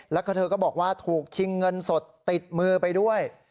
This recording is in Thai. แล้วก็เธอก็บอกว่าถูกชิงเงินสดติดมือไปด้วย